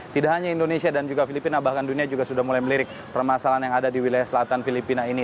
tidak hanya indonesia dan juga filipina bahkan dunia juga sudah mulai melirik permasalahan yang ada di wilayah selatan filipina ini